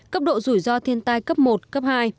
cấp độ rủi ro thiên tai cấp một cấp hai